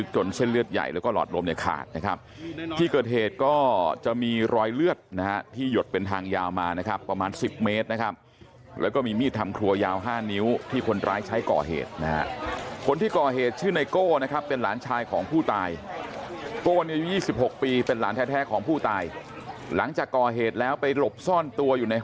เส้นเลือดใหญ่แล้วก็หลอดลมเนี่ยขาดนะครับที่เกิดเหตุก็จะมีรอยเลือดนะฮะที่หยดเป็นทางยาวมานะครับประมาณ๑๐เมตรนะครับแล้วก็มีมีดทำครัวยาว๕นิ้วที่คนร้ายใช้ก่อเหตุนะฮะคนที่ก่อเหตุชื่อไนโก้นะครับเป็นหลานชายของผู้ตายโก้ในอายุ๒๖ปีเป็นหลานแท้ของผู้ตายหลังจากก่อเหตุแล้วไปหลบซ่อนตัวอยู่ในห